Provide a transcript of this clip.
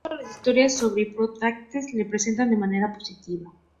No todas las historias sobre Hipócrates lo presentan de manera positiva.